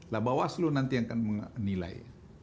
lah bawaslu nanti yang akan menilai